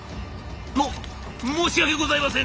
「も申し訳ございません！」。